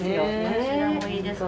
こちらもいいですか？